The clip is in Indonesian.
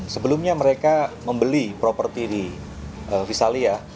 sebelumnya mereka membeli properti di vitalia